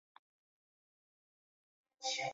恩格尔贝格是瑞士上瓦尔登州的一个镇。